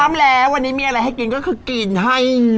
พร้อมแล้ววันนี้มีอะไรให้กินก็คือกินให้